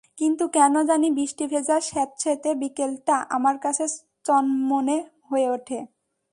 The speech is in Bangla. কিন্তু কেন জানি বৃষ্টিভেজা স্যাঁতসেঁতে বিকেলটা আমার কাছে চনমনে হয়ে ওঠে।